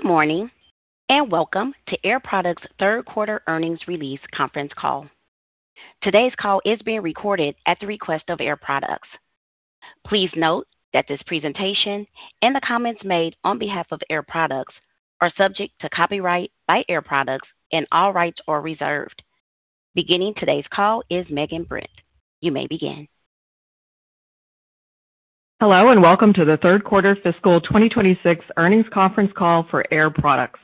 Good morning, welcome to Air Products' third quarter earnings release conference call. Today's call is being recorded at the request of Air Products. Please note that this presentation and the comments made on behalf of Air Products are subject to copyright by Air Products and all rights are reserved. Beginning today's call is Megan Britt. You may begin. Hello, welcome to the third quarter fiscal 2026 earnings conference call for Air Products.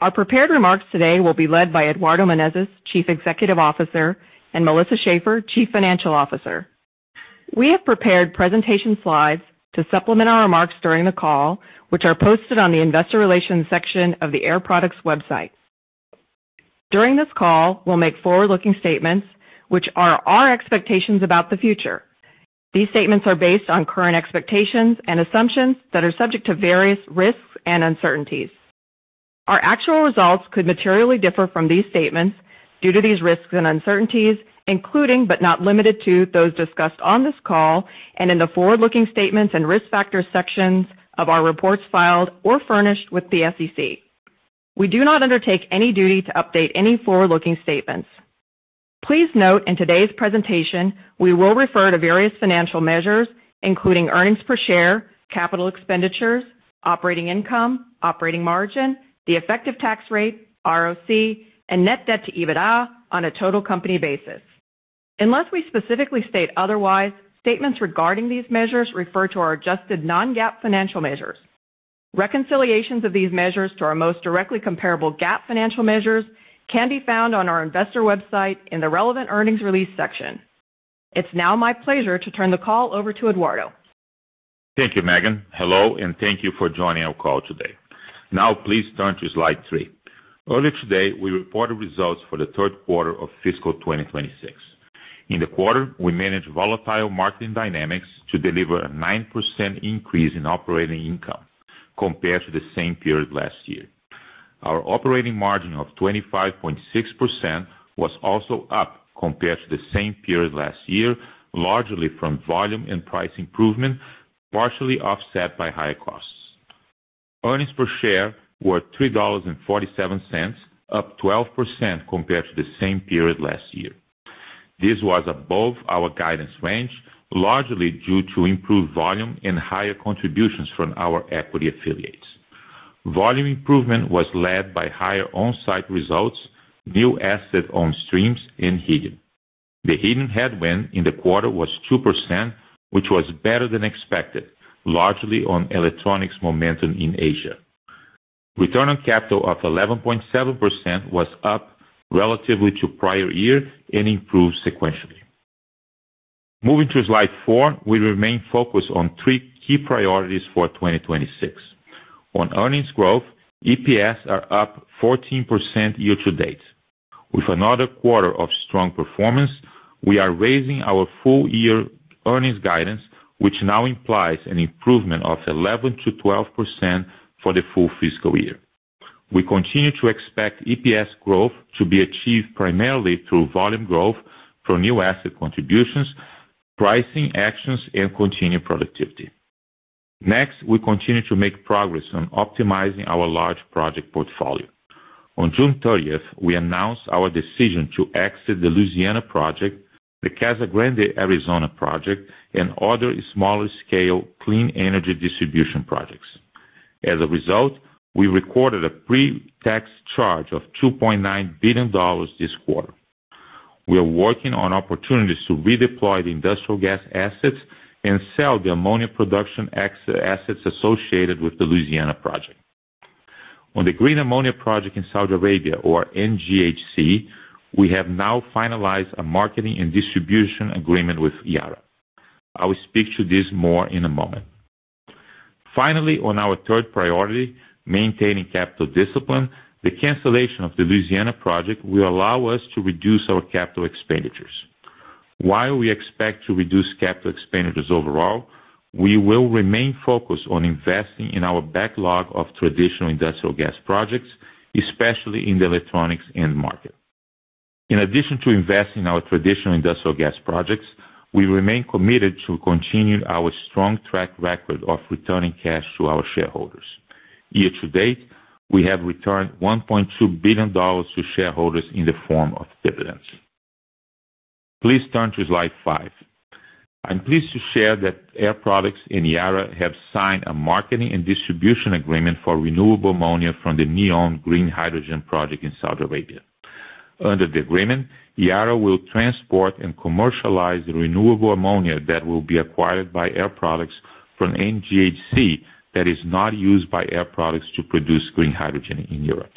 Our prepared remarks today will be led by Eduardo Menezes, Chief Executive Officer, and Melissa Schaeffer, Chief Financial Officer. We have prepared presentation slides to supplement our remarks during the call, which are posted on the investor relations section of the Air Products website. During this call, we'll make forward-looking statements, which are our expectations about the future. These statements are based on current expectations and assumptions that are subject to various risks and uncertainties. Our actual results could materially differ from these statements due to these risks and uncertainties, including, not limited to, those discussed on this call and in the forward-looking statements and risk factors sections of our reports filed or furnished with the SEC. We do not undertake any duty to update any forward-looking statements. Please note in today's presentation, we will refer to various financial measures, including earnings per share, capital expenditures, operating income, operating margin, the effective tax rate, ROC, and net debt to EBITDA on a total company basis. Unless we specifically state otherwise, statements regarding these measures refer to our adjusted non-GAAP financial measures. Reconciliations of these measures to our most directly comparable GAAP financial measures can be found on our investor website in the Relevant Earnings Release section. It's now my pleasure to turn the call over to Eduardo. Thank you, Megan. Hello, thank you for joining our call today. Now, please turn to slide three. Earlier today, we reported results for the third quarter of fiscal 2026. In the quarter, we managed volatile marketing dynamics to deliver a 9% increase in operating income compared to the same period last year. Our operating margin of 25.6% was also up compared to the same period last year, largely from volume and price improvement, partially offset by higher costs. Earnings per share were $3.47, up 12% compared to the same period last year. This was above our guidance range, largely due to improved volume and higher contributions from our equity affiliates. Volume improvement was led by higher on-site results, new asset on streams, and helium. The hidden headwind in the quarter was 2%, which was better than expected, largely on electronics momentum in Asia. Return on capital of 11.7% was up relatively to prior year and improved sequentially. Moving to slide four, we remain focused on three key priorities for 2026. On earnings growth, EPS are up 14% year to date. With another quarter of strong performance, we are raising our full year earnings guidance, which now implies an improvement of 11%-12% for the full fiscal year. We continue to expect EPS growth to be achieved primarily through volume growth from new asset contributions, pricing actions, and continued productivity. Next, we continue to make progress on optimizing our large project portfolio. On June 30th, we announced our decision to exit the Louisiana project, the Casa Grande, Arizona project, and other smaller scale clean energy distribution projects. As a result, we recorded a pre-tax charge of $2.9 billion this quarter. We are working on opportunities to redeploy the industrial gas assets and sell the ammonia production assets associated with the Louisiana project. On the green ammonia project in Saudi Arabia or NGHC, we have now finalized a marketing and distribution agreement with Yara. I will speak to this more in a moment. Finally, on our third priority, maintaining capital discipline, the cancellation of the Louisiana project will allow us to reduce our capital expenditures. While we expect to reduce capital expenditures overall, we will remain focused on investing in our backlog of traditional industrial gas projects, especially in the electronics end market. In addition to investing in our traditional industrial gas projects, we remain committed to continuing our strong track record of returning cash to our shareholders. Year to date, we have returned $1.2 billion to shareholders in the form of dividends. Please turn to slide five. I am pleased to share that Air Products and Yara have signed a marketing and distribution agreement for renewable ammonia from the NEOM Green Hydrogen project in Saudi Arabia. Under the agreement, Yara will transport and commercialize the renewable ammonia that will be acquired by Air Products from NGHC that is not used by Air Products to produce green hydrogen in Europe.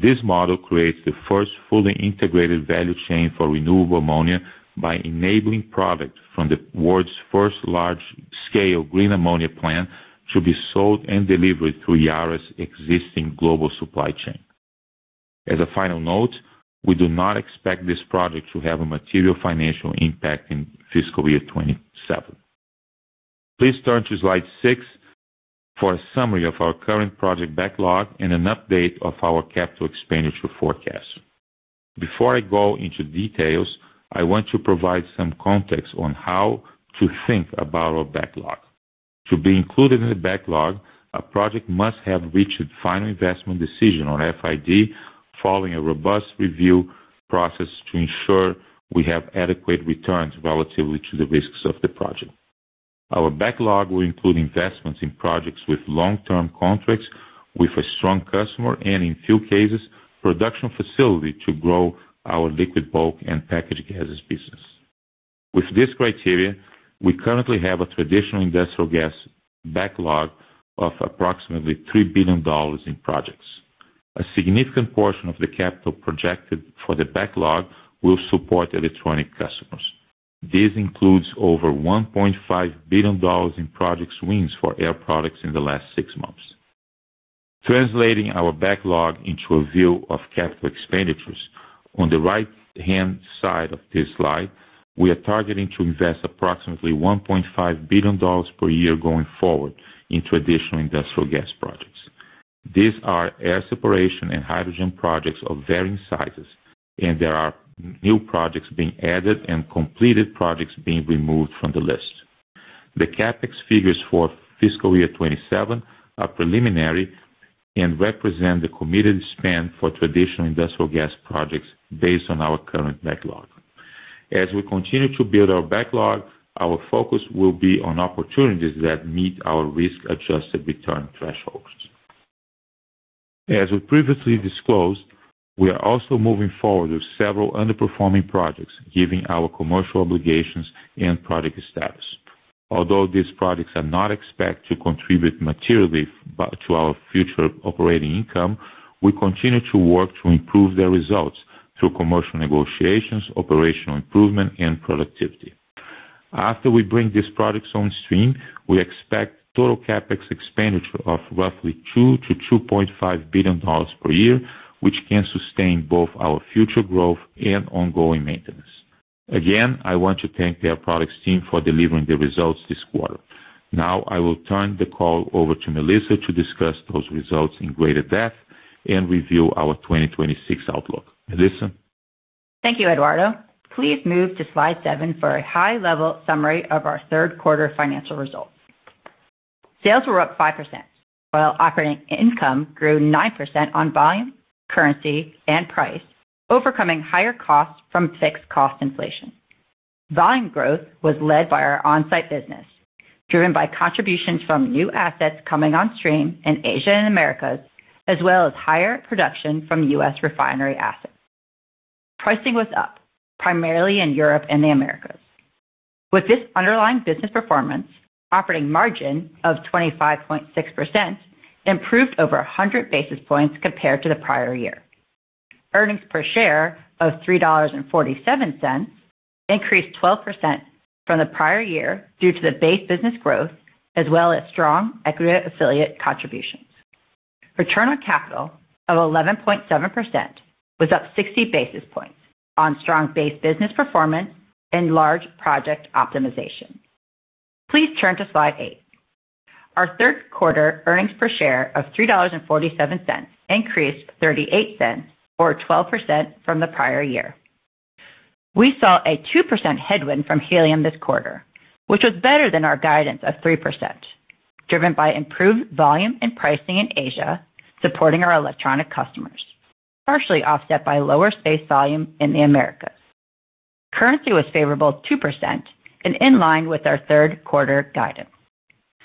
This model creates the first fully integrated value chain for renewable ammonia by enabling product from the world's first large-scale green ammonia plant to be sold and delivered through Yara's existing global supply chain. As a final note, we do not expect this project to have a material financial impact in fiscal year 2027. Please turn to slide six for a summary of our current project backlog and an update of our capital expenditure forecast. Before I go into details, I want to provide some context on how to think about our backlog. To be included in the backlog, a project must have reached final investment decision, or FID, following a robust review process to ensure we have adequate returns relatively to the risks of the project. Our backlog will include investments in projects with long-term contracts, with a strong customer, and in few cases, production facility to grow our liquid bulk and packaged gases business. With this criteria, we currently have a traditional industrial gas backlog of approximately $3 billion in projects. A significant portion of the capital projected for the backlog will support electronic customers. This includes over $1.5 billion in projects wins for Air Products in the last six months. Translating our backlog into a view of capital expenditures, on the right-hand side of this slide, we are targeting to invest approximately $1.5 billion per year going forward in traditional industrial gas projects. These are air separation and hydrogen projects of varying sizes, and there are new projects being added and completed projects being removed from the list. The CapEx figures for fiscal year 2027 are preliminary and represent the committed spend for traditional industrial gas projects based on our current backlog. As we continue to build our backlog, our focus will be on opportunities that meet our risk-adjusted return thresholds. As we previously disclosed, we are also moving forward with several underperforming projects, given our commercial obligations and project status. Although these projects are not expected to contribute materially to our future operating income, we continue to work to improve their results through commercial negotiations, operational improvement, and productivity. I want to thank the Air Products team for delivering the results this quarter. I will turn the call over to Melissa to discuss those results in greater depth and review our 2026 outlook. Melissa? Thank you, Eduardo. Please move to slide seven for a high-level summary of our third quarter financial results. Sales were up 5%, while operating income grew 9% on volume, currency, and price, overcoming higher costs from fixed cost inflation. Volume growth was led by our onsite business, driven by contributions from new assets coming on stream in Asia and Americas, as well as higher production from U.S. refinery assets. Pricing was up, primarily in Europe and the Americas. With this underlying business performance, operating margin of 25.6% improved over 100 basis points compared to the prior year. Earnings per share of $3.47 increased 12% from the prior year due to the base business growth as well as strong equity affiliate contributions. Return on capital of 11.7% was up 60 basis points on strong base business performance and large project optimization. Please turn to slide eight. Our third quarter earnings per share of $3.47 increased $0.38 or 12% from the prior year. We saw a 2% headwind from helium this quarter, which was better than our guidance of 3%, driven by improved volume and pricing in Asia, supporting our electronic customers, partially offset by lower base volume in the Americas. Currency was favorable 2% and in line with our third quarter guidance.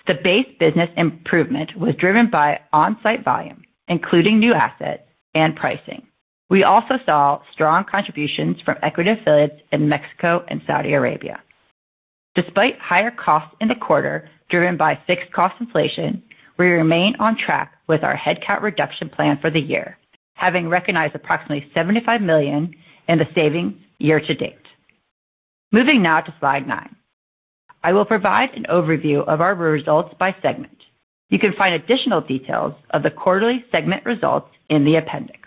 The base business improvement was driven by onsite volume, including new assets and pricing. We also saw strong contributions from equity affiliates in Mexico and Saudi Arabia. Despite higher costs in the quarter, driven by fixed cost inflation, we remain on track with our headcount reduction plan for the year, having recognized approximately $75 million in the saving year to date. Moving now to slide nine. I will provide an overview of our results by segment. You can find additional details of the quarterly segment results in the appendix.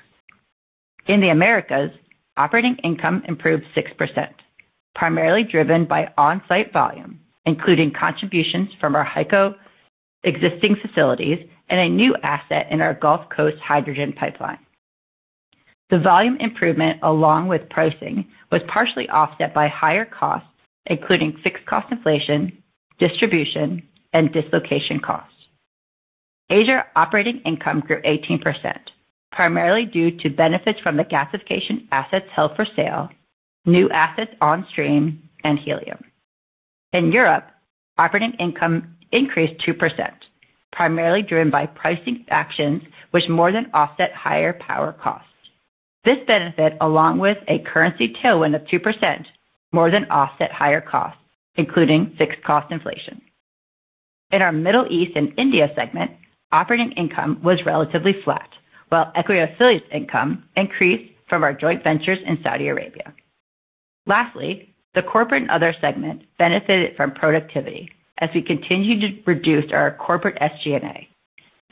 In the Americas, operating income improved 6%, primarily driven by onsite volume, including contributions from our HyCO existing facilities and a new asset in our Gulf Coast hydrogen pipeline. The volume improvement, along with pricing, was partially offset by higher costs, including fixed cost inflation, distribution, and dislocation costs. Asia operating income grew 18%, primarily due to benefits from the gasification assets held for sale, new assets on stream, and helium. In Europe, operating income increased 2%, primarily driven by pricing actions which more than offset higher power costs. This benefit, along with a currency tailwind of 2%, more than offset higher costs, including fixed cost inflation. In our Middle East and India segment, operating income was relatively flat, while equity affiliates income increased from our joint ventures in Saudi Arabia. Lastly, the corporate and other segment benefited from productivity as we continued to reduce our corporate SG&A.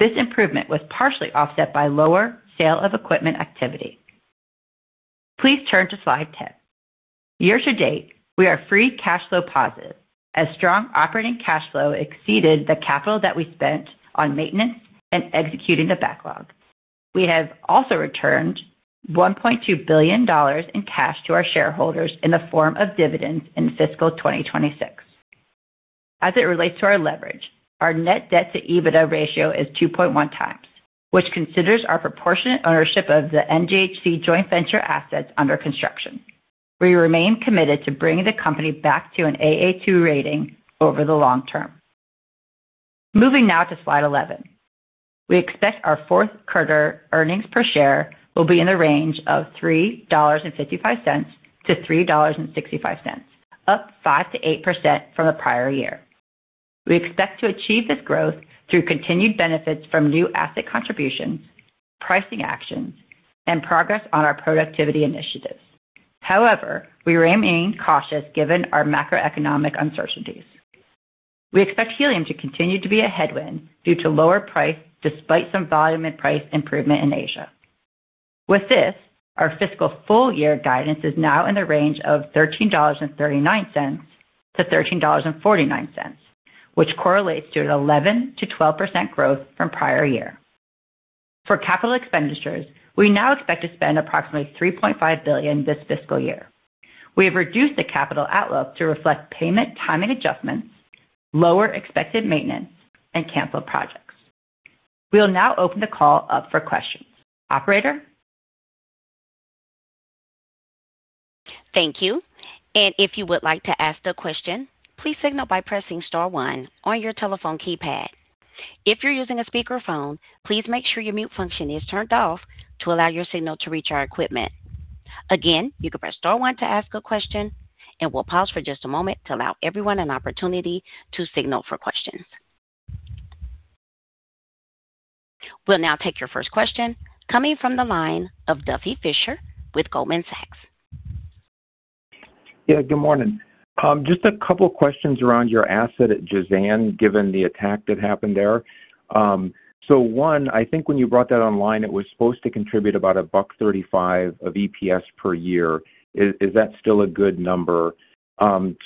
This improvement was partially offset by lower sale of equipment activity. Please turn to slide 10. Year-to-date, we are free cash flow positive as strong operating cash flow exceeded the capital that we spent on maintenance and executing the backlog. We have also returned $1.2 billion in cash to our shareholders in the form of dividends in fiscal 2026. As it relates to our leverage, our net debt to EBITDA ratio is 2.1x, which considers our proportionate ownership of the NGHC joint venture assets under construction. We remain committed to bringing the company back to an AA-2 rating over the long term. Moving now to slide 11. We expect our fourth quarter earnings per share will be in the range of $3.55-$3.65, up 5%-8% from the prior year. We expect to achieve this growth through continued benefits from new asset contributions, pricing actions, and progress on our productivity initiatives. However, we remain cautious given our macroeconomic uncertainties. We expect helium to continue to be a headwind due to lower price, despite some volume and price improvement in Asia. With this, our fiscal full-year guidance is now in the range of $13.39-$13.49, which correlates to an 11%-12% growth from prior year. For capital expenditures, we now expect to spend approximately $3.5 billion this fiscal year. We have reduced the capital outlook to reflect payment timing adjustments, lower expected maintenance, and canceled projects. We'll now open the call up for questions. Operator? Thank you. If you would like to ask a question, please signal by pressing star one on your telephone keypad. If you're using a speakerphone, please make sure your mute function is turned off to allow your signal to reach our equipment. Again, you can press star one to ask a question, we'll pause for just a moment to allow everyone an opportunity to signal for questions. We'll now take your first question, coming from the line of Duffy Fischer with Goldman Sachs. Good morning. Just a couple questions around your asset at Jazan, given the attack that happened there. One, I think when you brought that online, it was supposed to contribute about $1.35 of EPS per year. Is that still a good number?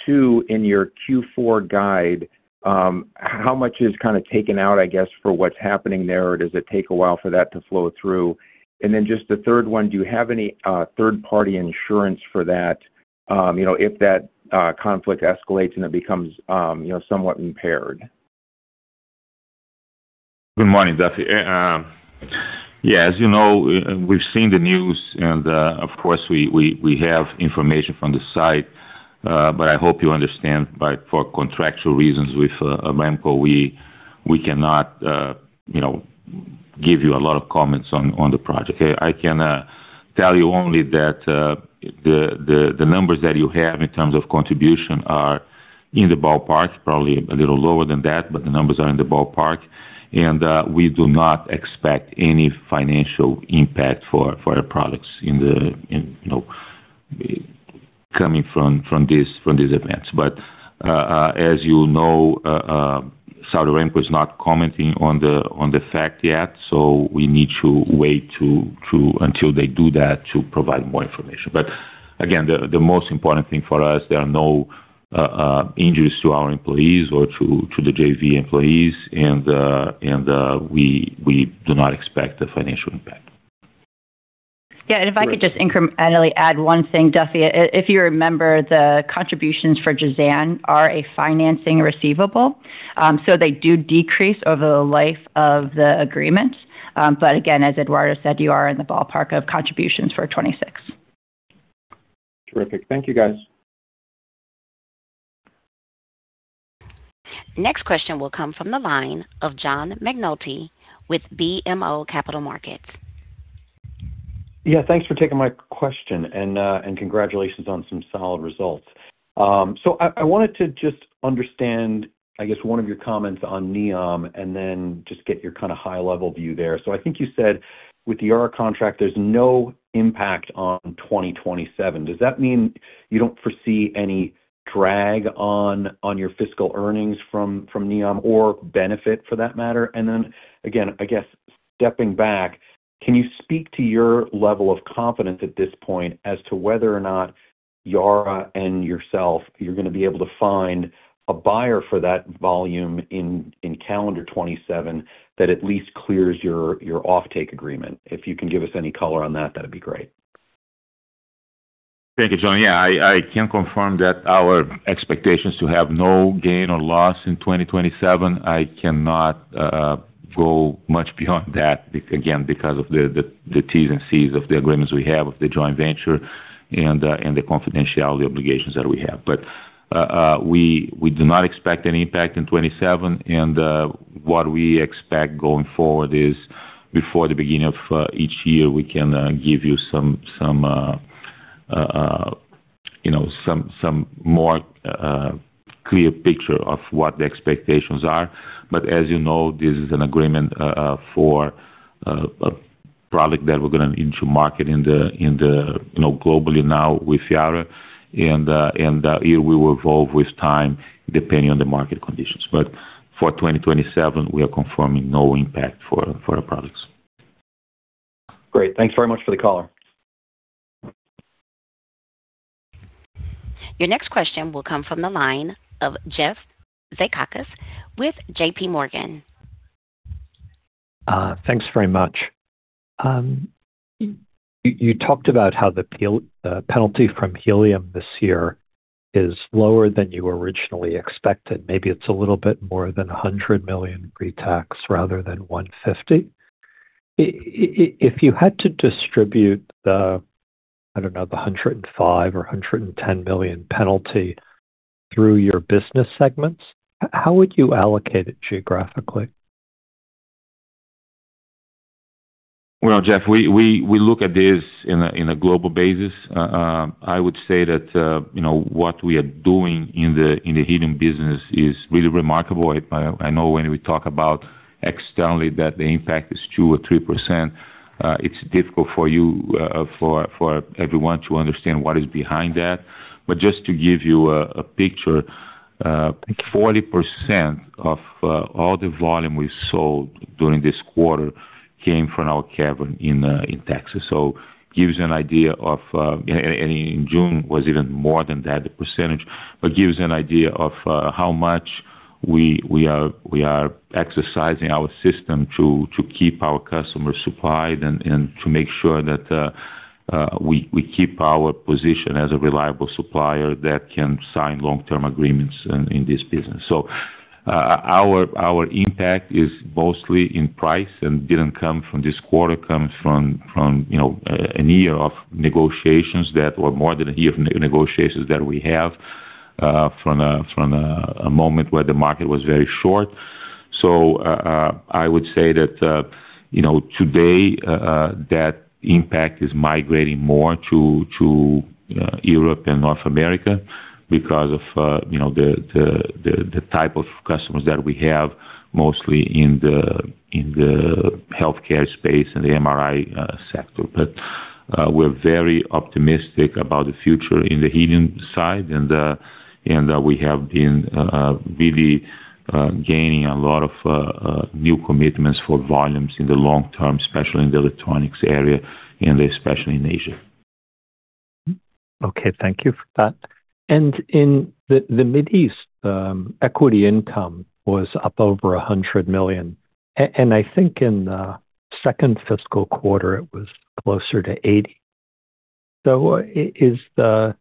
Two, in your Q4 guide, how much is kind of taken out, I guess, for what's happening there, or does it take a while for that to flow through? Just the third one, do you have any third-party insurance for that, if that conflict escalates and it becomes somewhat impaired? Good morning, Duffy. As you know, we've seen the news and, of course, we have information from the site, but I hope you understand for contractual reasons with Aramco, we cannot give you a lot of comments on the project. I can tell you only that the numbers that you have in terms of contribution are in the ballpark. Probably a little lower than that, but the numbers are in the ballpark. We do not expect any financial impact for Air Products coming from these events. As you know, Saudi Aramco is not commenting on the fact yet, so we need to wait until they do that to provide more information. Again, the most important thing for us, there are no injuries to our employees or to the JV employees. We do not expect a financial impact. If I could just incrementally add one thing, Duffy. If you remember, the contributions for Jazan are a financing receivable, so they do decrease over the life of the agreement. Again, as Eduardo said, you are in the ballpark of contributions for 2026. Terrific. Thank you, guys. Next question will come from the line of John McNulty with BMO Capital Markets. Yeah, thanks for taking my question, and congratulations on some solid results. I wanted to just understand, I guess, one of your comments on NEOM and then just get your kind of high-level view there. I think you said with the Yara contract, there's no impact on 2027. Does that mean you don't foresee any drag on your fiscal earnings from NEOM or benefit for that matter? Again, I guess, stepping back, can you speak to your level of confidence at this point as to whether or not Yara and yourself, you're going to be able to find a buyer for that volume in calendar 2027 that at least clears your offtake agreement? If you can give us any color on that'd be great. Thank you, John. Yeah, I can confirm that our expectations to have no gain or loss in 2027. I cannot go much beyond that, again, because of the T&C of the agreements we have with the joint venture and the confidentiality obligations that we have. We do not expect any impact in 2027, and what we expect going forward is before the beginning of each year, we can give you some more clear picture of what the expectations are. As you know, this is an agreement for a product that we're going into market globally now with Yara. It will evolve with time depending on the market conditions. For 2027, we are confirming no impact for our products. Great. Thanks very much for the caller. Your next question will come from the line of Jeff Zekauskas with JPMorgan. Thanks very much. You talked about how the penalty from helium this year is lower than you originally expected. Maybe it's a little bit more than $100 million pre-tax rather than $150 milion. If you had to distribute the, I don't know, the $105 million or $110 million penalty through your business segments, how would you allocate it geographically? Jeff, we look at this in a global basis. I would say that what we are doing in the helium business is really remarkable. I know when we talk about externally that the impact is 2% or 3%, it's difficult for everyone to understand what is behind that. Just to give you a picture, 40% of all the volume we sold during this quarter came from our cavern in Texas. Gives you an idea of, and in June was even more than that, the percentage. Gives an idea of how much we are exercising our system to keep our customers supplied and to make sure that we keep our position as a reliable supplier that can sign long-term agreements in this business. Our impact is mostly in price and didn't come from this quarter. It comes from a year of negotiations that, or more than a year of negotiations that we have from a moment where the market was very short. I would say that today, that impact is migrating more to Europe and North America because of the type of customers that we have, mostly in the healthcare space and the MRI sector. We're very optimistic about the future in the helium side, and we have been really gaining a lot of new commitments for volumes in the long term, especially in the electronics area and especially in Asia. Okay, thank you for that. In the Mid East, equity income was up over $100 million. I think in the second fiscal quarter, it was closer to $80 million.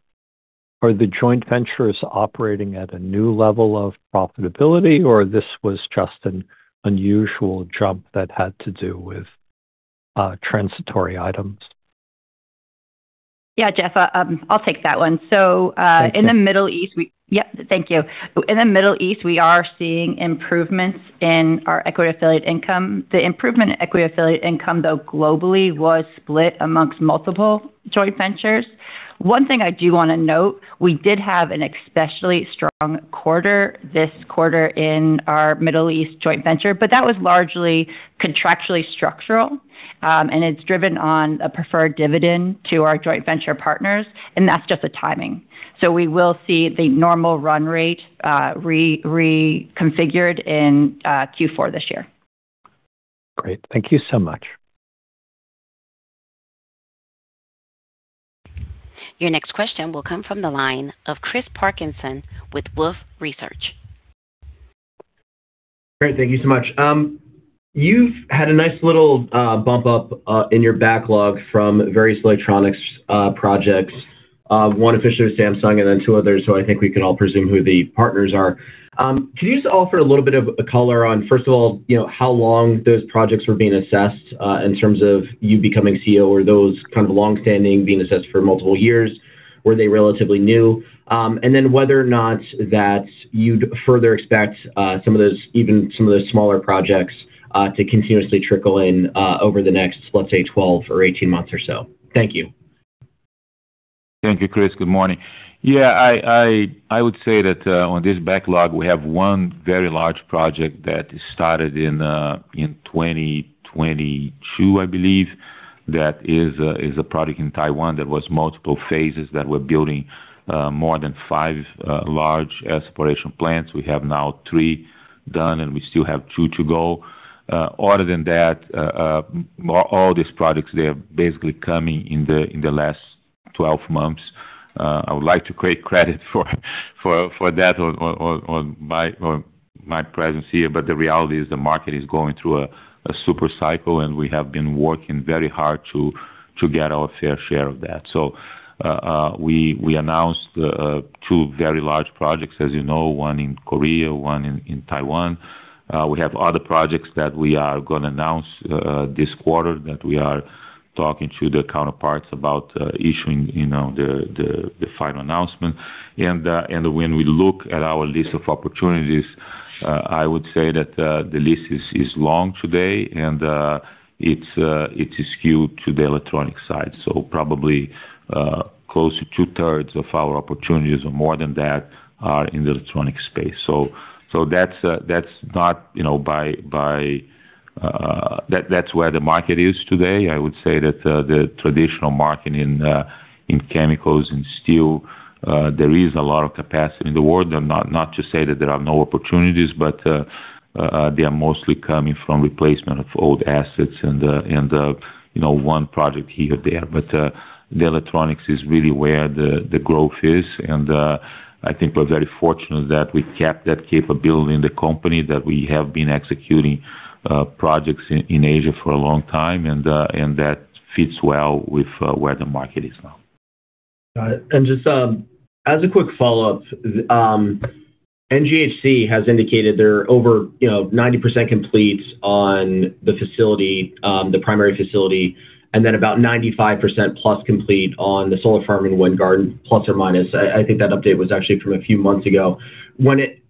Are the joint ventures operating at a new level of profitability, or this was just an unusual jump that had to do with transitory items? Jeff, I'll take that one. Thank you. Thank you. In the Middle East, we are seeing improvements in our equity affiliate income. The improvement in equity affiliate income, though, globally, was split amongst multiple joint ventures. One thing I do want to note, we did have an especially strong quarter this quarter in our Middle East joint venture, but that was largely contractually structural. It's driven on a preferred dividend to our joint venture partners, and that's just the timing. We will see the normal run rate reconfigured in Q4 this year. Great. Thank you so much. Your next question will come from the line of Chris Parkinson with Wolfe Research. Great. Thank you so much. You've had a nice little bump up in your backlog from various electronics projects, one officially with Samsung and then two others, so I think we can all presume who the partners are. Can you just offer a little bit of color on, first of all, how long those projects were being assessed, in terms of you becoming CEO? Were those kind of longstanding, being assessed for multiple years? Were they relatively new? And then whether or not that you'd further expect even some of those smaller projects to continuously trickle in over the next, let's say, 12 or 18 months or so. Thank you. Thank you, Chris. Good morning. Yeah, I would say that on this backlog, we have one very large project that started in 2022, I believe, that is a project in Taiwan that was multiple phases that we're building more than five large air separation plants. We have now three done, and we still have two to go. Other than that, all these projects, they're basically coming in the last 12 months. I would like to create credit for that on my presence here. The reality is the market is going through a super cycle, and we have been working very hard to get our fair share of that. We announced two very large projects, as you know, one in Korea, one in Taiwan. We have other projects that we are going to announce this quarter that we are talking to the counterparts about issuing the final announcement. When we look at our list of opportunities, I would say that the list is long today, and it is skewed to the electronic side. Probably close to two-thirds of our opportunities or more than that are in the electronic space. That's where the market is today. I would say that the traditional market in chemicals and steel, there is a lot of capacity in the world. Not to say that there are no opportunities, but they are mostly coming from replacement of old assets and one project here or there. The electronics is really where the growth is, and I think we're very fortunate that we kept that capability in the company, that we have been executing projects in Asia for a long time, and that fits well with where the market is now. Got it. Just as a quick follow-up, NGHC has indicated they're over 90% complete on the primary facility, and then about 95% plus complete on the solar farm in wind garden, plus or minus. I think that update was actually from a few months ago.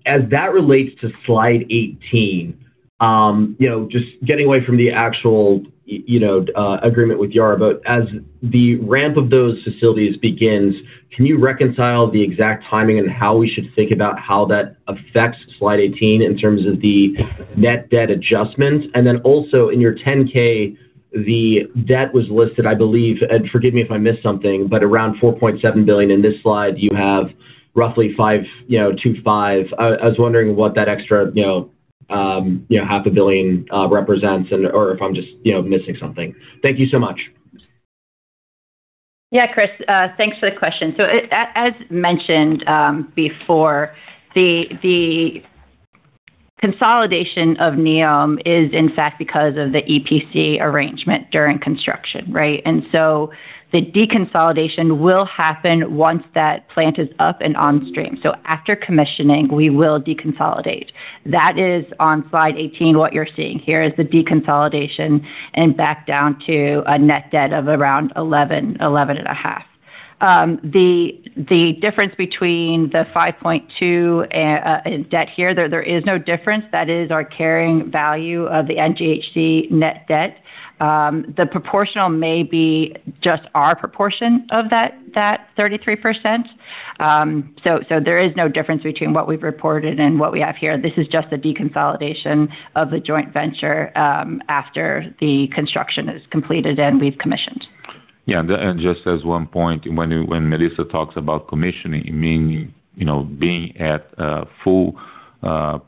As that relates to slide 18, just getting away from the actual agreement with Yara, but as the ramp of those facilities begins, can you reconcile the exact timing and how we should think about how that affects slide 18 in terms of the net debt adjustment? Also in your 10-K, the debt was listed, I believe, and forgive me if I missed something, but around $4.7 billion. In this slide, you have roughly $5.25 billion. I was wondering what that extra half a billion represents or if I'm just missing something. Thank you so much. Chris, thanks for the question. As mentioned before, the consolidation of NEOM is in fact because of the EPC arrangement during construction, right? The deconsolidation will happen once that plant is up and on stream. After commissioning, we will deconsolidate. That is on slide 18, what you're seeing here is the deconsolidation and back down to a net debt of around $11 billion, $11.5 billion. The difference between the $5.2 billion in debt here, there is no difference. That is our carrying value of the NGHC net debt. The proportional may be just our proportion of that 33%. There is no difference between what we've reported and what we have here. This is just the deconsolidation of the joint venture after the construction is completed and we've commissioned. Just as one point, when Melissa talks about commissioning, meaning being at full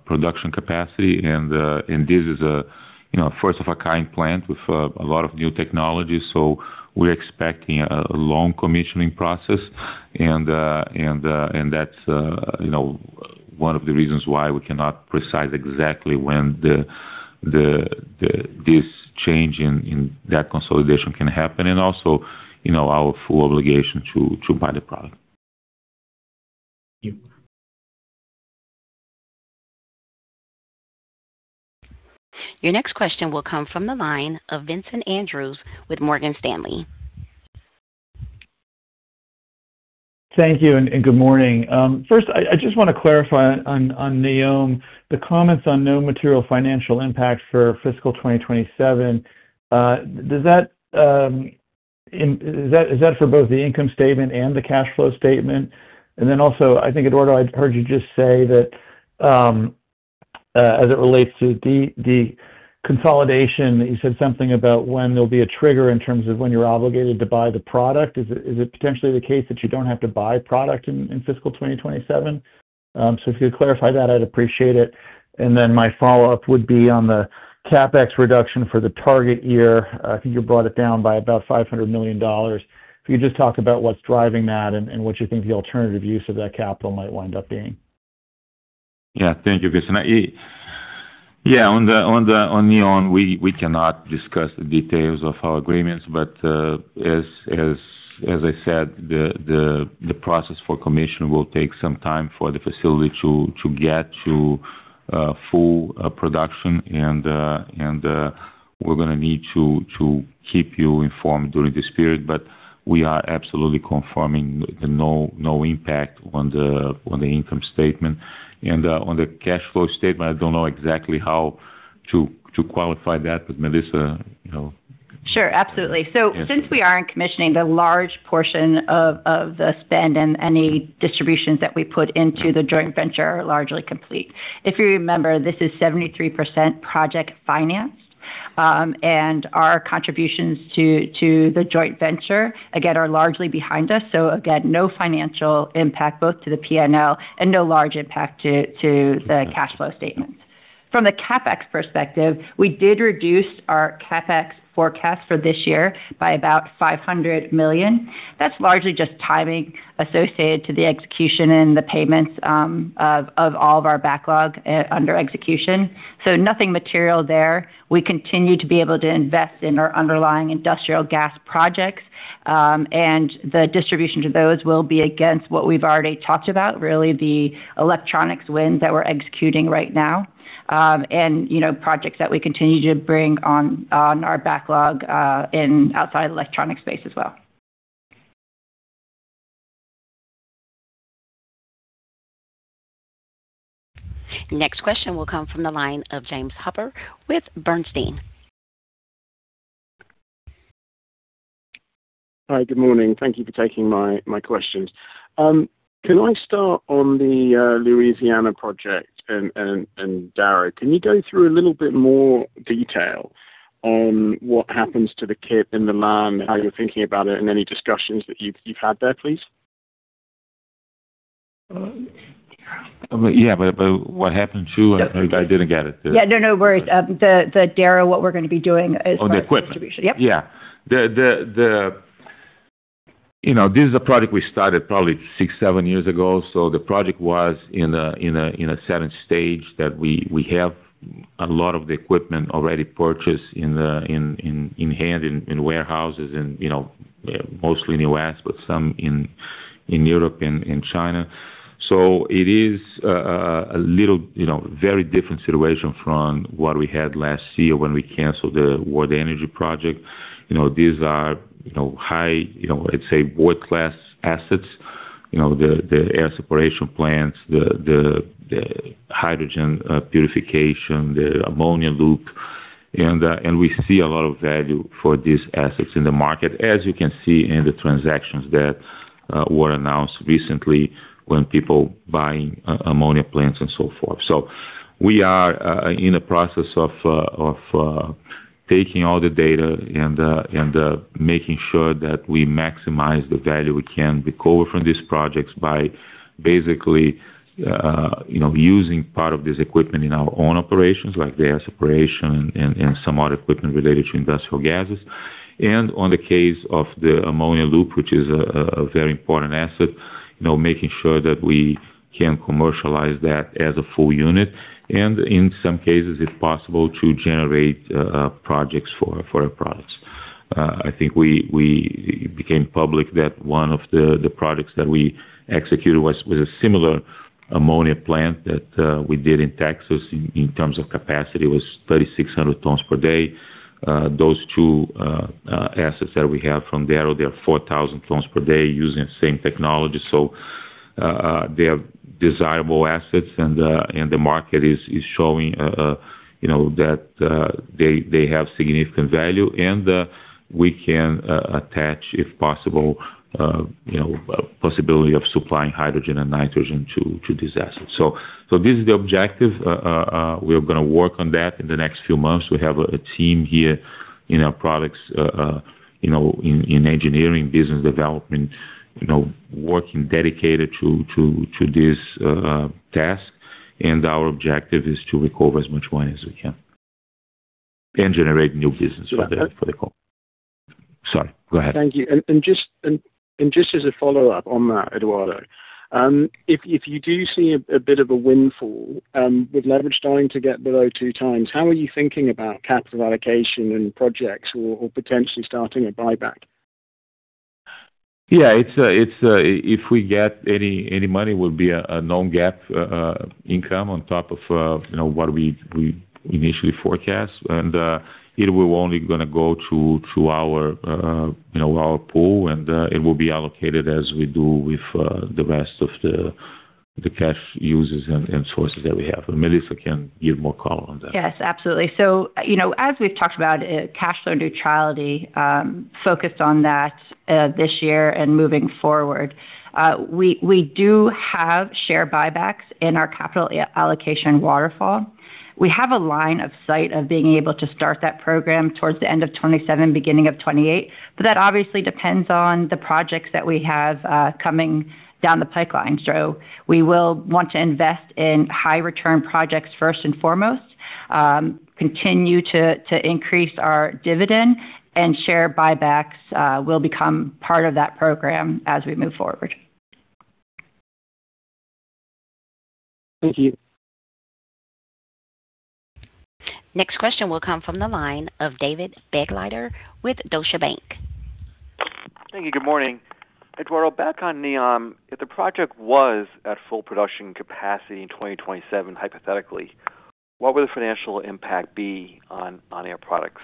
production capacity, and this is a first of a kind plant with a lot of new technology. We're expecting a long commissioning process, and that's one of the reasons why we cannot precise exactly when this change in debt consolidation can happen. Also, our full obligation to buy the product. Your next question will come from the line of Vincent Andrews with Morgan Stanley. Thank you, and good morning. First, I just want to clarify on NEOM, the comments on no material financial impact for fiscal 2027. Is that for both the income statement and the cash flow statement? Also, I think, Eduardo, I heard you just say that, as it relates to the consolidation, that you said something about when there'll be a trigger in terms of when you're obligated to buy the product. Is it potentially the case that you don't have to buy product in fiscal 2027? If you could clarify that, I'd appreciate it. My follow-up would be on the CapEx reduction for the target year. I think you brought it down by about $500 million. If you could just talk about what's driving that and what you think the alternative use of that capital might wind up being. Thank you, Vincent. On NEOM, we cannot discuss the details of our agreements, but as I said, the process for commission will take some time for the facility to get to full production. We're going to need to keep you informed during this period. We are absolutely confirming no impact on the income statement. On the cash flow statement, I don't know exactly how to qualify that, but Melissa. Since we aren't commissioning, the large portion of the spend and any distributions that we put into the joint venture are largely complete. If you remember, this is 73% project financed. Our contributions to the joint venture, again, are largely behind us. Again, no financial impact both to the P&L and no large impact to the cash flow statements. From the CapEx perspective, we did reduce our CapEx forecast for this year by about $500 million. That's largely just timing associated to the execution and the payments of all of our backlog under execution. Nothing material there. We continue to be able to invest in our underlying industrial gas projects. The distribution to those will be against what we've already talked about, really the electronics wins that we're executing right now. Projects that we continue to bring on our backlog in outside electronics space as well. Next question will come from the line of James Hooper with Bernstein. Hi, good morning. Thank you for taking my questions. Can I start on the Louisiana project and Darrow. Can you go through a little bit more detail on what happens to the kit and the LAN, how you're thinking about it, and any discussions that you've had there, please? Yeah. What happened to, I didn't get it. Yeah, no worries. The Darrow, what we're going to be doing is On the equipment. Distribution. Yep. This is a project we started probably six, seven years ago. The project was in a certain stage that we have a lot of the equipment already purchased in hand, in warehouses, and mostly in the U.S., but some in Europe and in China. It is a very different situation from what we had last year when we canceled the World Energy project. These are high, let's say, world-class assets. The air separation plants, the hydrogen purification, the ammonia loop. We see a lot of value for these assets in the market, as you can see in the transactions that were announced recently when people buying ammonia plants and so forth. We are in a process of taking all the data and making sure that we maximize the value we can recover from these projects by basically using part of this equipment in our own operations, like the air separation and some other equipment related to industrial gases. On the case of the ammonia loop, which is a very important asset, making sure that we can commercialize that as a full unit, and in some cases, if possible, to generate projects for Air Products. I think it became public that one of the products that we executed was a similar ammonia plant that we did in Texas. In terms of capacity, it was 3,600 tons per day. Those two assets that we have from Darrow, they are 4,000 tons per day using the same technology. They are desirable assets, and the market is showing that they have significant value. We can attach, if possible, possibility of supplying hydrogen and nitrogen to these assets. This is the objective. We are going to work on that in the next few months. We have a team here in Air Products, in engineering, business development working dedicated to this task. Our objective is to recover as much money as we can. Generate new business for the company. Sorry, go ahead. Thank you. Just as a follow-up on that, Eduardo. If you do see a bit of a windfall with leverage starting to get below two times, how are you thinking about capital allocation and projects or potentially starting a buyback? Yes. If we get any money, will be a non-GAAP income on top of what we initially forecast. It will only go through our pool, and it will be allocated as we do with the rest of the cash uses and sources that we have. Melissa can give more color on that. Yes, absolutely. As we've talked about cash flow neutrality, focused on that this year and moving forward. We do have share buybacks in our capital allocation waterfall. We have a line of sight of being able to start that program towards the end of 2027, beginning of 2028. That obviously depends on the projects that we have coming down the pipeline. We will want to invest in high return projects first and foremost, continue to increase our dividend, and share buybacks will become part of that program as we move forward. Thank you. Next question will come from the line of David Begleiter with Deutsche Bank. Thank you. Good morning. Eduardo, back on NEOM. If the project was at full production capacity in 2027, hypothetically, what would the financial impact be on Air Products?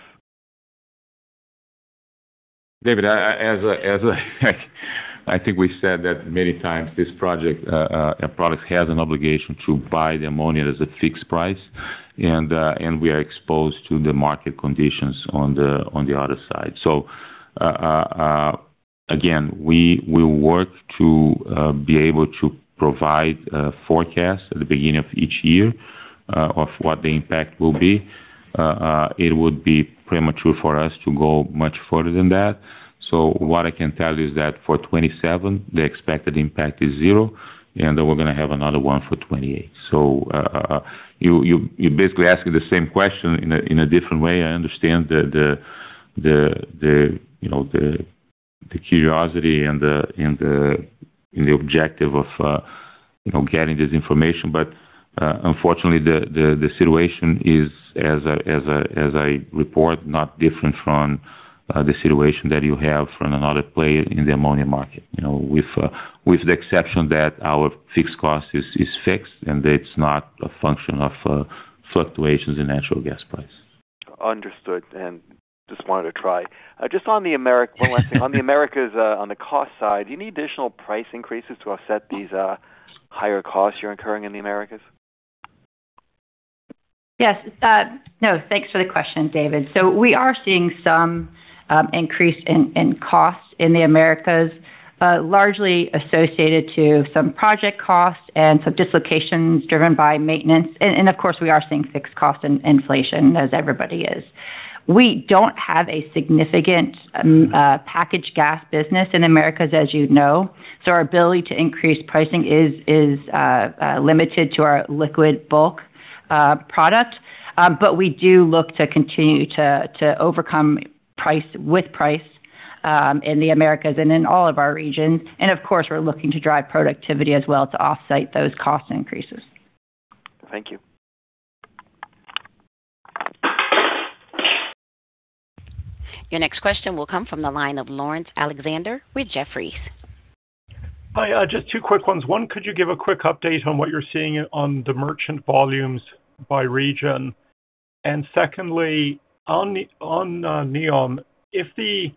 David, I think we said that many times. This project, Air Products has an obligation to buy the ammonia at a fixed price, and we are exposed to the market conditions on the other side. Again, we will work to be able to provide a forecast at the beginning of each year of what the impact will be. It would be premature for us to go much further than that. What I can tell you is that for 2027, the expected impact is zero, and we're going to have another one for 2028. You're basically asking the same question in a different way. I understand the curiosity and the objective of getting this information. Unfortunately, the situation is, as I report, not different from the situation that you have from another player in the ammonia market. With the exception that our fixed cost is fixed, and it's not a function of fluctuations in natural gas price. Understood. Just wanted to try. One last thing. On the Americas, on the cost side, do you need additional price increases to offset these higher costs you're incurring in the Americas? Yes. No, thanks for the question, David. We are seeing some increase in cost in the Americas, largely associated to some project costs and some dislocations driven by maintenance. Of course, we are seeing fixed cost and inflation as everybody is. We don't have a significant packaged gas business in Americas, as you know. Our ability to increase pricing is limited to our liquid bulk product. We do look to continue to overcome with price in the Americas and in all of our regions. Of course, we're looking to drive productivity as well to offset those cost increases. Thank you. Your next question will come from the line of Laurence Alexander with Jefferies. Hi. Just two quick ones. One, could you give a quick update on what you're seeing on the merchant volumes by region? Secondly, on NEOM, if the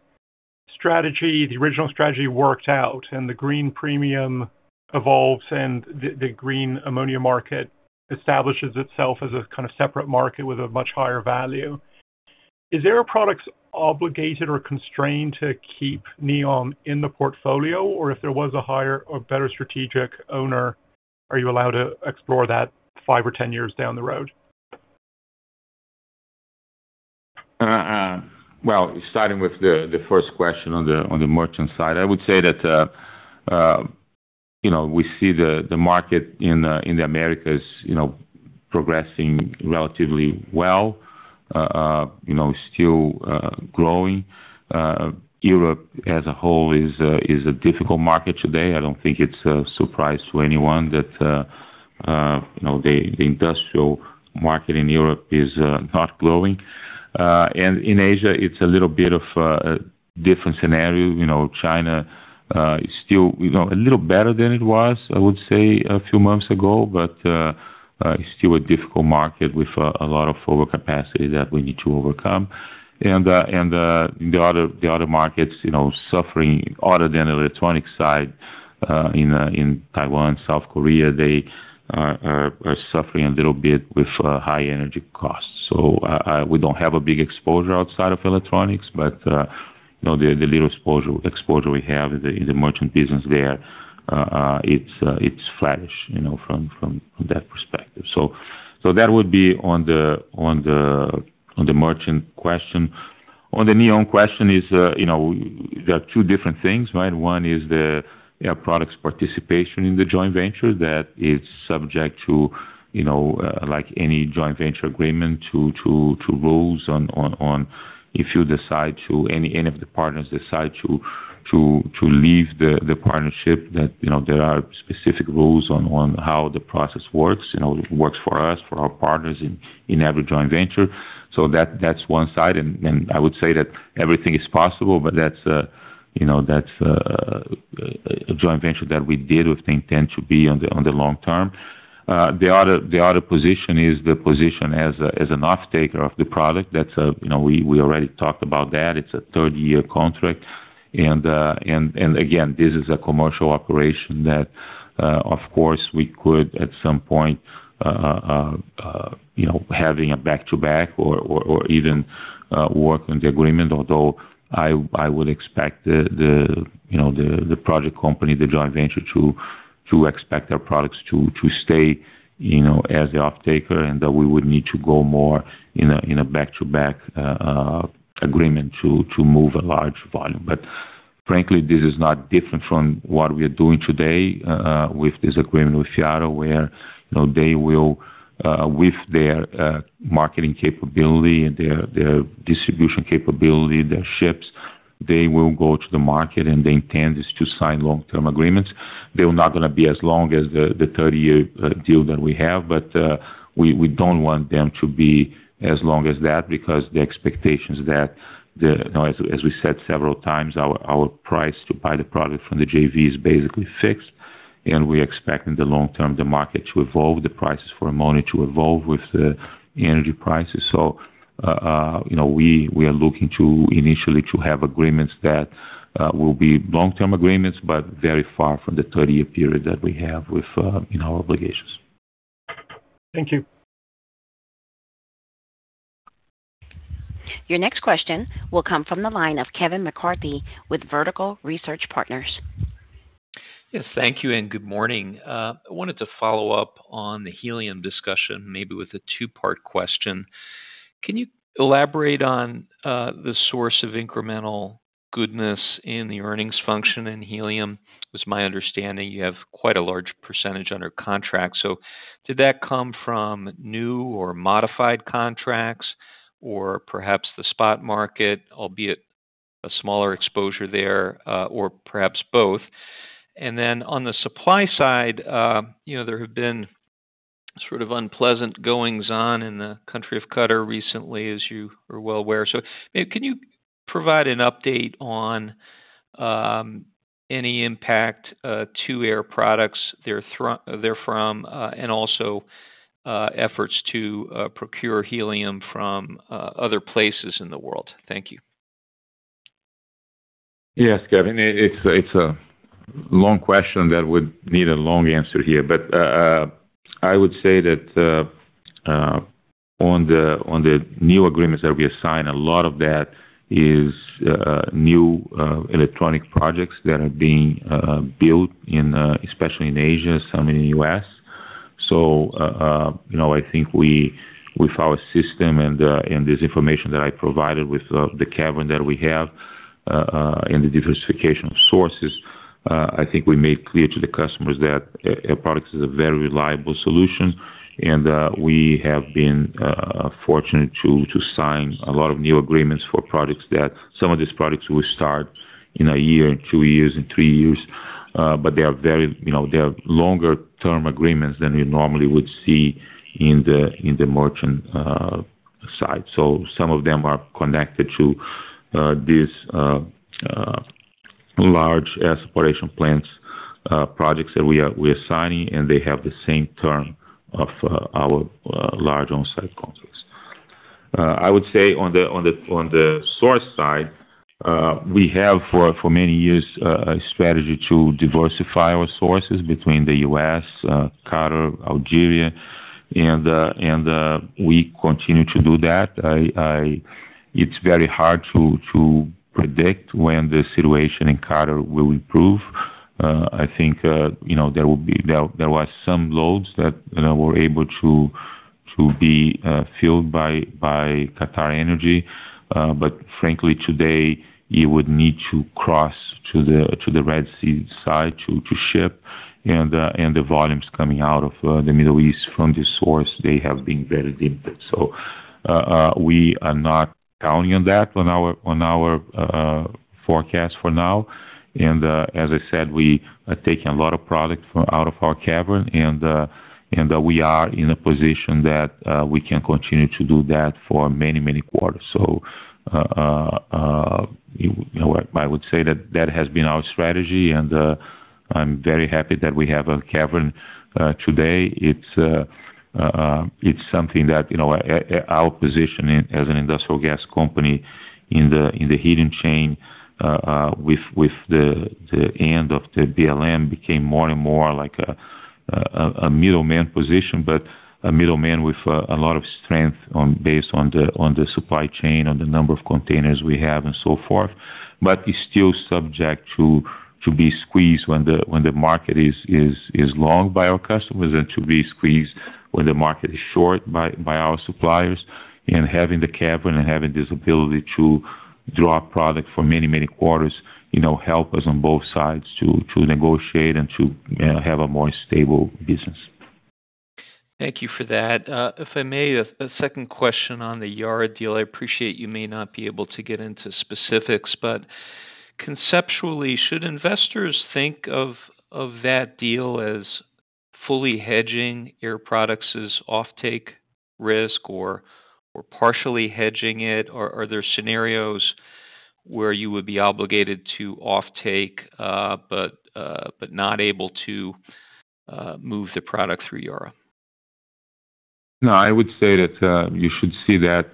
original strategy works out and the green premium evolves and the green ammonia market establishes itself as a kind of separate market with a much higher value, is Air Products obligated or constrained to keep NEOM in the portfolio? If there was a higher or better strategic owner, are you allowed to explore that five or 10 years down the road? Well, starting with the first question on the merchant side, I would say that we see the market in the Americas progressing relatively well, still growing. Europe as a whole is a difficult market today. I don't think it's a surprise to anyone that the industrial market in Europe is not growing. In Asia, it's a little bit of a different scenario. China is still a little better than it was, I would say, a few months ago. It's still a difficult market with a lot of overcapacity that we need to overcome. The other markets suffering other than electronic side, in Taiwan, South Korea, they are suffering a little bit with high energy costs. We don't have a big exposure outside of electronics. The little exposure we have in the merchant business there, it's flattish from that perspective. That would be on the merchant question. On the NEOM question is, there are two different things, right? One is the Air Products participation in the joint venture that is subject to any joint venture agreement to rules on if any of the partners decide to leave the partnership, that there are specific rules on how the process works. It works for us, for our partners in every joint venture. That's one side, and I would say that everything is possible, but that's a joint venture that we did, we think tend to be on the long-term. The other position is the position as an offtaker of the product. We already talked about that. It's a 30-year contract. Again, this is a commercial operation that, of course, we could at some point, having a back-to-back or even work on the agreement. Although I would expect the project company, the joint venture to expect Air Products to stay as the offtaker and that we would need to go more in a back-to-back agreement to move a large volume. Frankly, this is not different from what we are doing today with this agreement with Yara, where they will, with their marketing capability and their distribution capability, their ships, they will go to the market, and the intent is to sign long-term agreements. They're not gonna be as long as the 30-year deal that we have, we don't want them to be as long as that because the expectation is that, as we said several times, our price to buy the product from the JV is basically fixed, and we're expecting in the long term the market to evolve, the prices for ammonia to evolve with the energy prices. We are looking initially to have agreements that will be long-term agreements, very far from the 30-year period that we have with our obligations. Thank you. Your next question will come from the line of Kevin McCarthy with Vertical Research Partners. Yes. Thank you, and good morning. I wanted to follow up on the helium discussion, maybe with a two-part question. Can you elaborate on the source of incremental goodness in the earnings function in helium? It's my understanding you have quite a large percentage under contract. Did that come from new or modified contracts or perhaps the spot market, albeit a smaller exposure there or perhaps both? On the supply side, there have been sort of unpleasant goings on in the country of Qatar recently, as you are well aware. Can you provide an update on any impact to Air Products therefrom and also efforts to procure helium from other places in the world? Thank you. Yes, Kevin, it's a long question that would need a long answer here. I would say that on the new agreements that we sign, a lot of that is new electronic projects that are being built especially in Asia, some in the U.S. I think with our system and this information that I provided with the cavern that we have, and the diversification of sources, I think we made clear to the customers that Air Products is a very reliable solution. We have been fortunate to sign a lot of new agreements for projects, that some of these projects will start in a year, in two years, in three years. They are longer term agreements than you normally would see in the merchant side. Some of them are connected to these large air separation plants, projects that we are signing, and they have the same term of our large on-site contracts. I would say on the source side, we have for many years, a strategy to diversify our sources between the U.S., Qatar, Algeria, and we continue to do that. It's very hard to predict when the situation in Qatar will improve. I think there was some loads that were able to be filled by QatarEnergy. Frankly, today, you would need to cross to the Red Sea side to ship, and the volumes coming out of the Middle East from this source, they have been very limited. We are not counting on that on our forecast for now. As I said, we are taking a lot of product out of our cavern, and we are in a position that we can continue to do that for many, many quarters. I would say that has been our strategy, and I'm very happy that we have a cavern today. It's something that our position as an industrial gas company in the heating chain, with the end of the BLM became more and more like a middleman position, but a middleman with a lot of strength based on the supply chain, on the number of containers we have and so forth. We're still subject to be squeezed when the market is long by our customers and to be squeezed when the market is short by our suppliers. Having the cavern and having this ability to draw product for many, many quarters, help us on both sides to negotiate and to have a more stable business. Thank you for that. If I may, a second question on the Yara deal. I appreciate you may not be able to get into specifics, but conceptually, should investors think of that deal as fully hedging Air Products' offtake risk or partially hedging it? Or are there scenarios where you would be obligated to offtake but not able to move the product through Yara? I would say that you should see that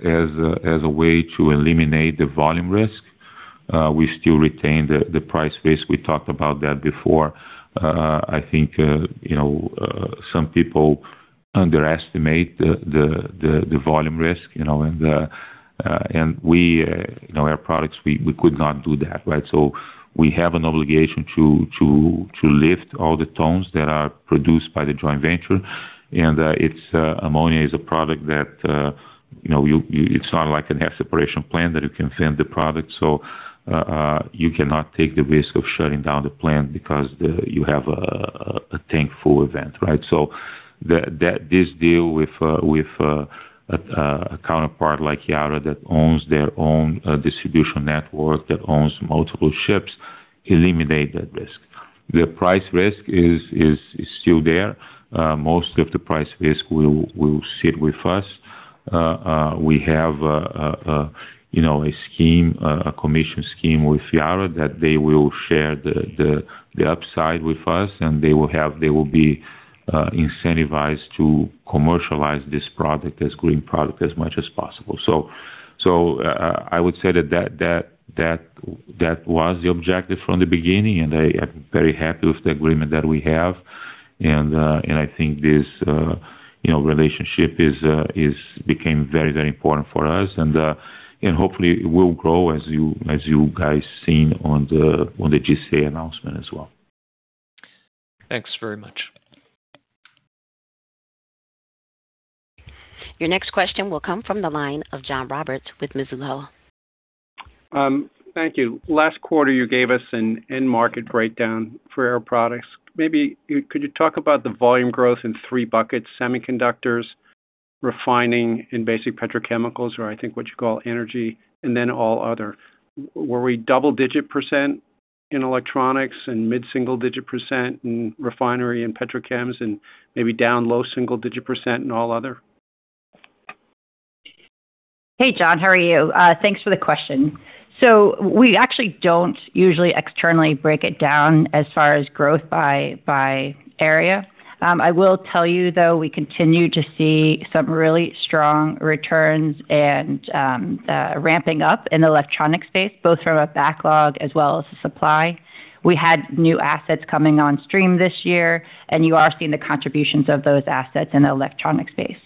as a way to eliminate the volume risk. We still retain the price risk. We talked about that before. I think some people underestimate the volume risk. Air Products, we could not do that. We have an obligation to lift all the tons that are produced by the joint venture. ammonia is a product that it's not like an air separation plant that you can send the product. You cannot take the risk of shutting down the plant because you have a tank full event. This deal with a counterpart like Yara that owns their own distribution network, that owns multiple ships, eliminate that risk. The price risk is still there. Most of the price risk will sit with us. We have a commission scheme with Yara that they will share the upside with us, they will be incentivized to commercialize this product, this green product, as much as possible. I would say that was the objective from the beginning, I am very happy with the agreement that we have. I think this relationship became very important for us. Hopefully it will grow as you guys seen on the GCA announcement as well. Thanks very much. Your next question will come from the line of John Roberts with Mizuho. Thank you. Last quarter, you gave us an end market breakdown for Air Products. Maybe could you talk about the volume growth in three buckets, semiconductors, refining and basic petrochemicals, or I think what you call energy, and then all other. Were we double-digit percent in electronics and mid-single digit percent in refinery and petrochems, and maybe down low single digit percent in all other? Hey, John. How are you? Thanks for the question. We actually don't usually externally break it down as far as growth by area. I will tell you, though, we continue to see some really strong returns and ramping up in the electronic space, both from a backlog as well as the supply. We had new assets coming on stream this year, and you are seeing the contributions of those assets in the electronic space.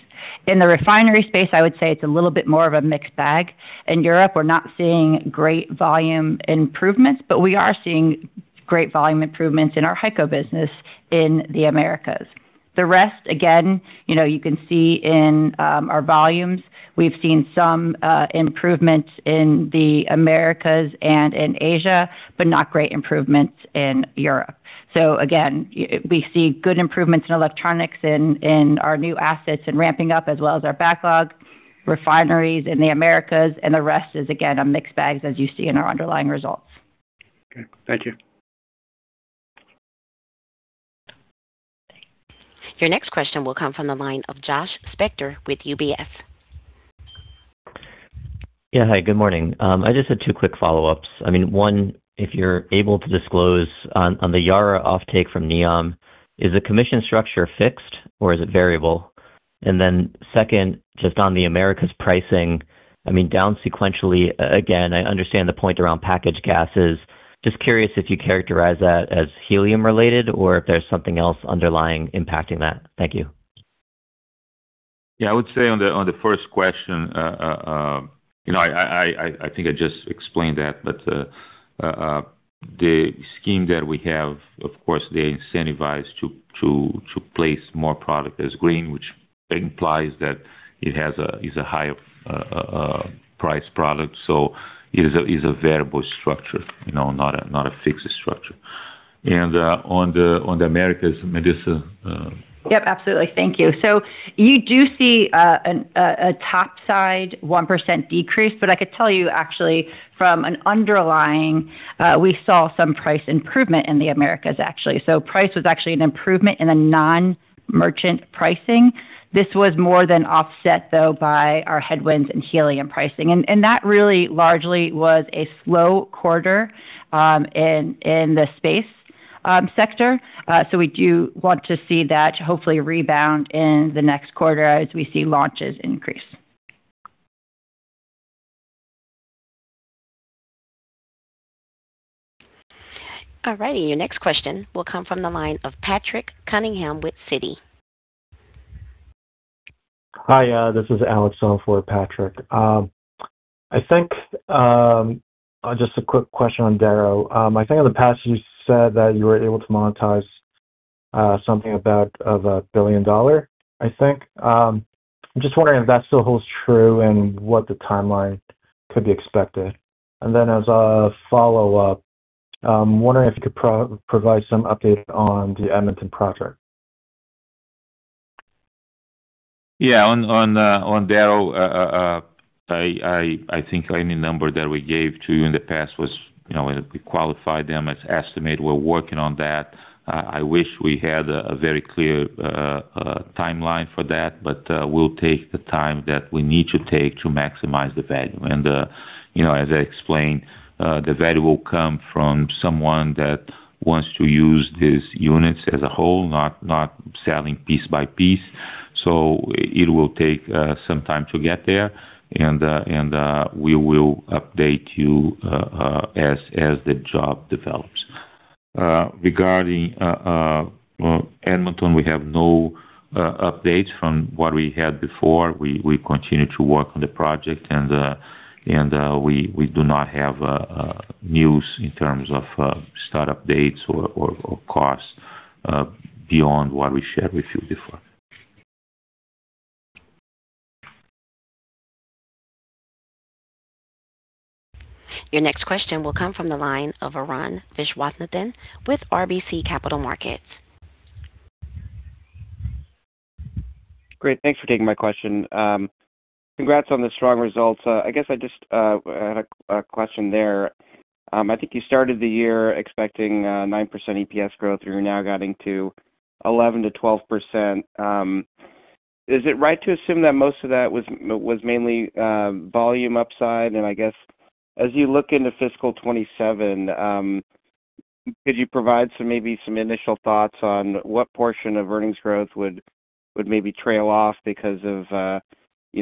In the refinery space, I would say it's a little bit more of a mixed bag. In Europe, we're not seeing great volume improvements, but we are seeing great volume improvements in our HyCO business in the Americas. The rest, again, you can see in our volumes. We've seen some improvements in the Americas and in Asia, but not great improvements in Europe. Again, we see good improvements in electronics in our new assets and ramping up as well as our backlog refineries in the Americas. The rest is again, a mixed bag, as you see in our underlying results. Okay, thank you. Your next question will come from the line of Josh Spector with UBS. Yeah. Hi, good morning. I just had two quick follow-ups. One, if you're able to disclose on the Yara offtake from NEOM, is the commission structure fixed or is it variable? Then second, just on the Americas pricing, down sequentially, again, I understand the point around packaged gases. Just curious if you characterize that as helium-related or if there's something else underlying impacting that. Thank you. Yeah, I would say on the first question, I think I just explained that, but, the scheme that we have, of course, they incentivize to place more product as green, which implies that it's a higher price product. It is a variable structure, not a fixed structure. On the Americas, Melissa. Yep, absolutely. Thank you. You do see a top side 1% decrease. I could tell you actually from an underlying, we saw some price improvement in the Americas, actually. Price was actually an improvement in the non-merchant pricing. This was more than offset, though, by our headwinds in helium pricing. That really largely was a slow quarter in the space sector. We do want to see that hopefully rebound in the next quarter as we see launches increase. All righty. Your next question will come from the line of Patrick Cunningham with Citi. Hi, this is Alex on for Patrick. Just a quick question on Darrow. I think in the past you said that you were able to monetize something about $1 billion, I think. I'm just wondering if that still holds true and what the timeline could be expected. Then as a follow-up, I'm wondering if you could provide some update on the Edmonton project. Yeah. On Darrow, I think any number that we gave to you in the past was, we qualified them as estimate. We're working on that. I wish we had a very clear timeline for that. We'll take the time that we need to take to maximize the value. As I explained, the value will come from someone that wants to use these units as a whole, not selling piece by piece. It will take some time to get there. We will update you, as the job develops. Regarding Edmonton, we have no updates from what we had before. We continue to work on the project, and we do not have news in terms of start-up dates or costs, beyond what we shared with you before. Your next question will come from the line of Arun Viswanathan with RBC Capital Markets. Great. Thanks for taking my question. Congrats on the strong results. I guess I just had a question there. I think you started the year expecting a 9% EPS growth, you're now guiding to 11%-12%. Is it right to assume that most of that was mainly volume upside? I guess as you look into fiscal 2027, could you provide maybe some initial thoughts on what portion of earnings growth would maybe trail off because of,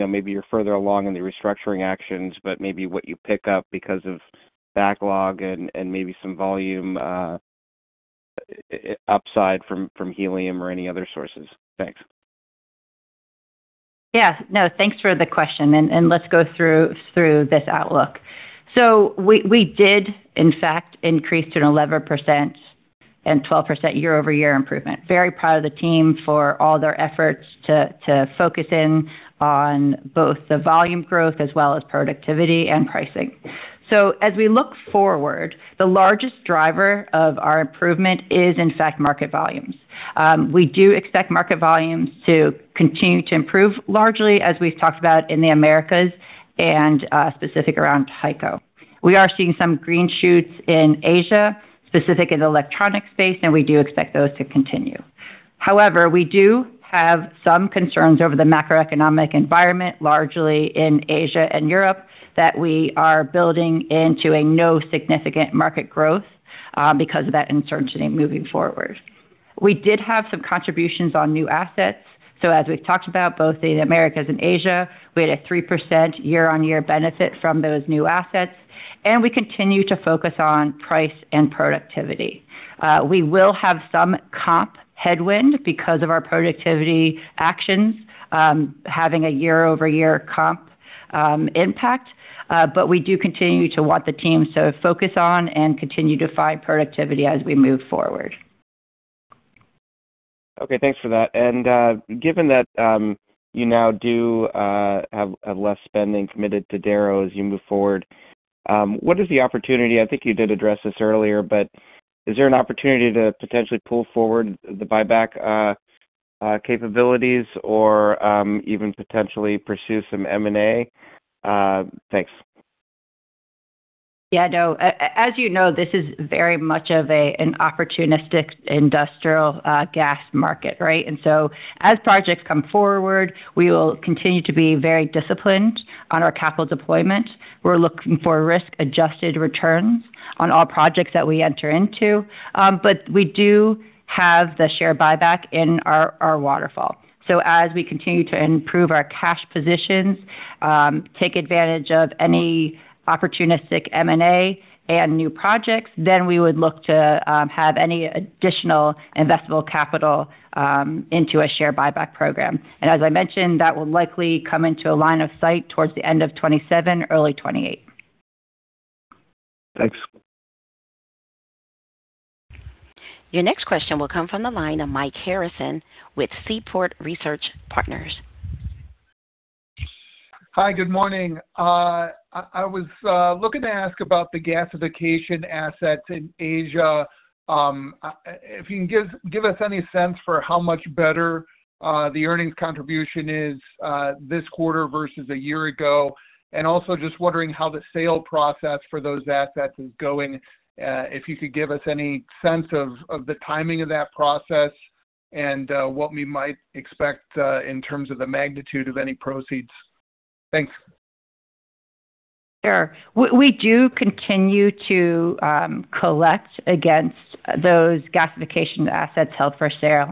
maybe you're further along in the restructuring actions, but maybe what you pick up because of backlog and maybe some volume upside from helium or any other sources? Thanks. No, thanks for the question. Let's go through this outlook. We did in fact increase to an 11% and 12% year-over-year improvement. Very proud of the team for all their efforts to focus in on both the volume growth as well as productivity and pricing. As we look forward, the largest driver of our improvement is in fact market volumes. We do expect market volumes to continue to improve, largely as we've talked about in the Americas and specific around HyCO. We are seeing some green shoots in Asia, specific in the electronic space. We do expect those to continue. However, we do have some concerns over the macroeconomic environment, largely in Asia and Europe, that we are building into a no significant market growth because of that uncertainty moving forward. We did have some contributions on new assets. As we've talked about, both in Americas and Asia, we had a 3% year on year benefit from those new assets. We continue to focus on price and productivity. We will have some comp headwind because of our productivity actions, having a year-over-year comp impact. We do continue to want the teams to focus on and continue to find productivity as we move forward. Okay, thanks for that. Given that you now do have less spending committed to Darrow as you move forward, what is the opportunity? I think you did address this earlier, but is there an opportunity to potentially pull forward the buyback capabilities or even potentially pursue some M&A? Thanks. Yeah, no. As you know, this is very much of an opportunistic industrial gas market, right? As projects come forward, we will continue to be very disciplined on our capital deployment. We're looking for risk-adjusted returns on all projects that we enter into. We do have the share buyback in our waterfall. As we continue to improve our cash positions, take advantage of any opportunistic M&A and new projects, we would look to have any additional investable capital into a share buyback program. As I mentioned, that will likely come into a line of sight towards the end of 2027, early 2028. Thanks. Your next question will come from the line of Mike Harrison with Seaport Research Partners. Hi, good morning. I was looking to ask about the gasification assets in Asia. If you can give us any sense for how much better the earnings contribution is this quarter versus a year ago, and also just wondering how the sale process for those assets is going. If you could give us any sense of the timing of that process and what we might expect in terms of the magnitude of any proceeds. Thanks. Sure. We do continue to collect against those gasification assets held for sale.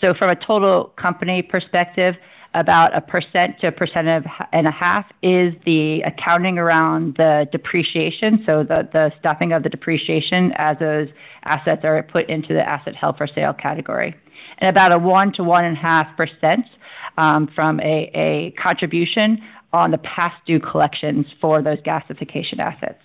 From a total company perspective, about 1%-1.5% is the accounting around the depreciation. The stuffing of the depreciation as those assets are put into the asset held for sale category. About 1%-1.5% from a contribution on the past due collections for those gasification assets.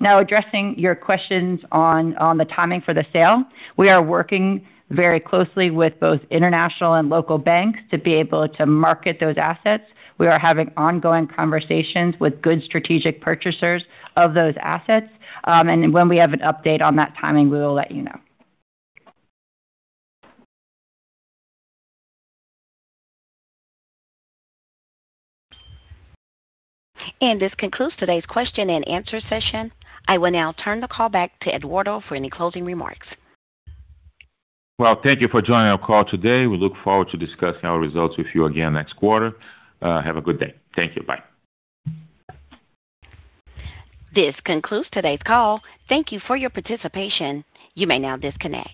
Addressing your questions on the timing for the sale, we are working very closely with both international and local banks to be able to market those assets. We are having ongoing conversations with good strategic purchasers of those assets. When we have an update on that timing, we will let you know. This concludes today's question and answer session. I will now turn the call back to Eduardo for any closing remarks. Well, thank you for joining our call today. We look forward to discussing our results with you again next quarter. Have a good day. Thank you. Bye. This concludes today's call. Thank you for your participation. You may now disconnect.